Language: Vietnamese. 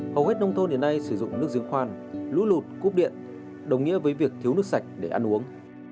hầu hết nông thôn đến nay sử dụng nước giếng khoan lũ lụt cúp điện đồng nghĩa với việc thiếu nước sạch để ăn uống